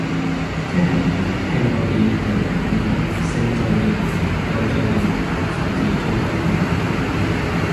即係要聽多啲印度英文，星洲英文，歐洲英文，甚至中國英文